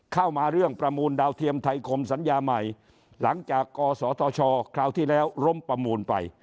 เข้ามาเรื่องประมูลดาวเทียมไทยคมสัญญาใหม่หลังจากกศธชคราวที่แล้วล้มประมูลไป